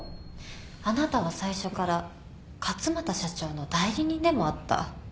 あなたは最初から勝又社長の代理人でもあった。